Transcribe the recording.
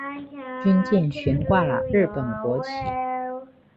军舰悬挂了日本国旗。